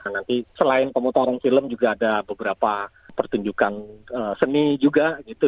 nanti selain pemotor film juga ada beberapa pertunjukan seni juga gitu